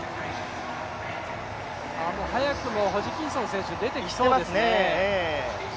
もう早くもホジキンソン選手、出てきそうですね。